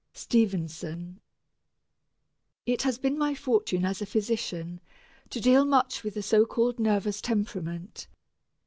STEVENSON. It has been my fortune as a physician to deal much with the so called nervous temperament.